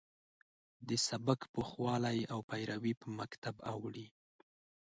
د سبک پوخوالی او پیروي په مکتب اوړي.